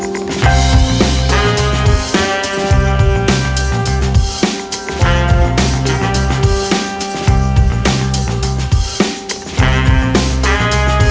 ibu pegang twee